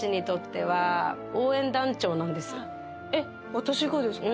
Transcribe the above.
私がですか？